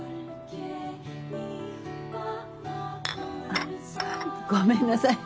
あっごめんなさい。